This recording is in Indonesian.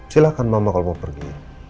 silahkan mama kalau mau pergi